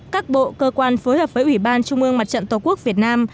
các bộ cơ quan phối hợp với ủy ban trung ương mặt trận tổ quốc việt nam